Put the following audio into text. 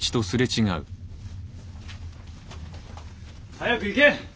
早く行け！